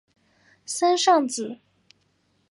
森尚子。